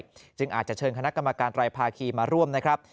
จึงอาจจะเชิญคณะกรรมการไตรภาคีมาร่วมนะครับ